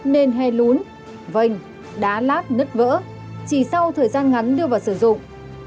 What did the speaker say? nên he lún vành đá lát nứt vỡ chỉ sau thời gian ngắn đưa vào sử dụng